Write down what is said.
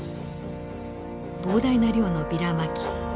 膨大な量のビラまき。